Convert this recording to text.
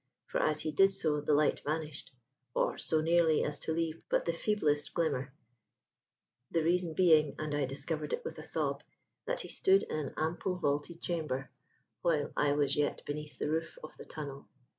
For as he did so the light vanished or so nearly as to leave but the feeblest glimmer, the reason being (and I discovered it with a sob) that he stood in an ample vaulted chamber while I was yet beneath the roof of the tunnel.